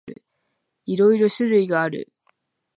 いろいろ種類がある。